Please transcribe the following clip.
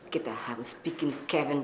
kita harus bikin kevin